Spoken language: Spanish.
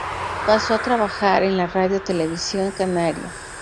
Pasó a trabajar en la Radio Televisión Canaria.